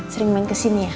sering main kesini ya